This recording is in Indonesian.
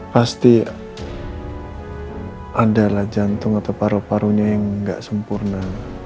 pasti adalah jantung atau paru parunya yang nggak sempurna